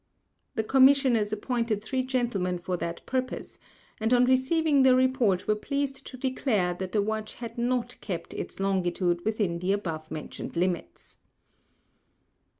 The Commissioners appointed three Gentlemen for that Purpose, and on receiving their Report were pleased to declare that the Watch had not kept its Longitude within the above mentioned Limits.